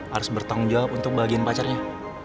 harus bertanggung jawab untuk bagian pacarnya